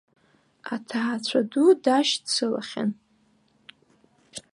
Аҭаацәа ду дашьцылахьан.